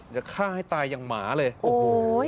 จะฆ่าให้ตายอย่างหมาเลย